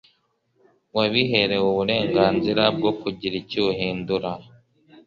wabiherewe uburenganzira bwo kugira icyo uhindura